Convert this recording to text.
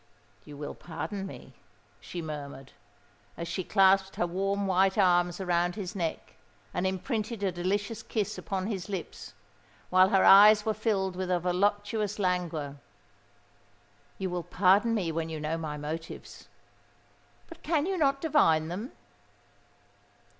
"You will pardon me," she murmured, as she clasped her warm white arms around his neck, and imprinted a delicious kiss upon his lips, while her eyes were filled with a voluptuous languor,—"you will pardon me when you know my motives. But can you not divine them?"